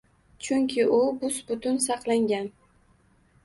Chunki u bus-butun saqlangan.